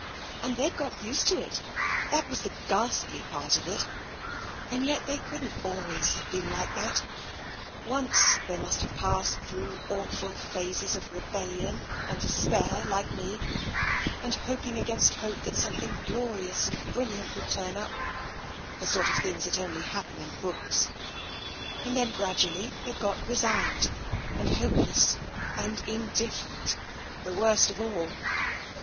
And they'd got used to it — that was the ghastly part of it — and yet they couldn't always have been like that. Once they must have passed through awful phases of rebellion and despair, like me, and hoping against hope that something glorious and bril liant would turn up — the sort of things that only happen in books — and then gradually they'd got re TENSION 155 signed — and hopeless, and indifferent — the worst of all.